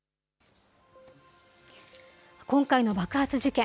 今回の爆発事件。